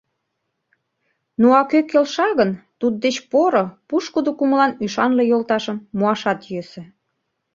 Ну, а кӧ келша гын, туддеч поро, пушкыдо кумылан ӱшанле йолташым муашат йӧсӧ.